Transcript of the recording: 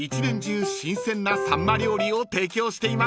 新鮮なさんま料理を提供しています］